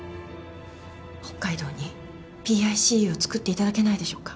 北海道にＰＩＣＵを作っていただけないでしょうか。